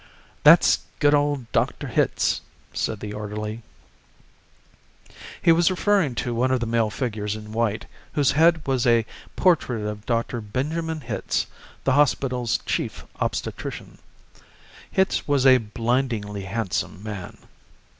"That's good of Dr. Hitz," said the orderly. He was referring to one of the male figures in white, whose head was a portrait of Dr. Benjamin Hitz, the hospital's Chief Obstetrician. Hitz was a blindingly handsome man.